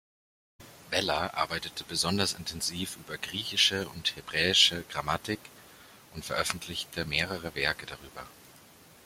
Weller arbeitete besonders intensiv über griechische und hebräische Grammatik und veröffentlichte mehrere Werke darüber.